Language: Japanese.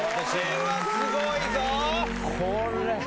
これはすごいぞ！